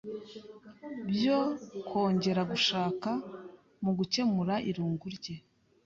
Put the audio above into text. byo kongera gushaka. Mu gukemura irungu rye